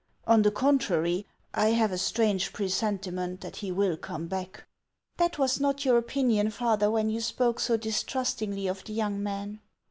On the contrary, I have a strange presenti ment that he will come back." " That was not your opinion, father, when you spoke so distrustingly of the young man."